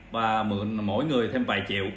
và mượn mỗi người thêm vài triệu